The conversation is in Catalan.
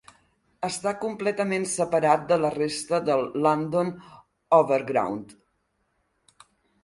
Està completament separat de la resta del London Overground.